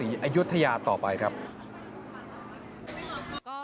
ที่จะรับผลกระทบในจังหวัดพระนครศรีอยุธยาต่อไปครับ